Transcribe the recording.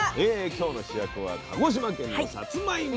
今日の主役は鹿児島県のさつまいも。